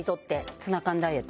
ツナ缶ダイエット。